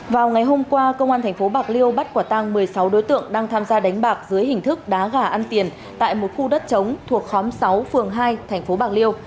vào ngày hôm qua công an tp bạc liêu bắt quả tăng một mươi sáu đối tượng đang tham gia đánh bạc dưới hình thức đá gà ăn tiền tại một khu đất chống thuộc khóm sáu phường hai thành phố bạc liêu